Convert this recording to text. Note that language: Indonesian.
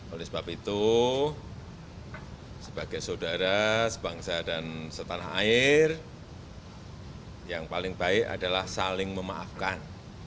oleh sebab itu sebagai saudara sebangsa dan setanah air yang paling baik adalah saling memaafkan